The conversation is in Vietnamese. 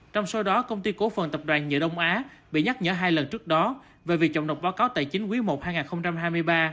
trong số đó công ty cổ phần tập đoàn nhựa đông á bị nhắc nhở hai lần trước đó về việc chậm nộp báo cáo tài chính quý i hai nghìn hai mươi ba